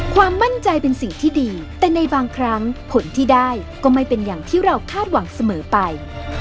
ความมั่นใจเป็นสิ่งที่ดีแต่ในบางครั้งผลที่ได้ก็ไม่เป็นอย่างที่เราคาดหวังเสมอไป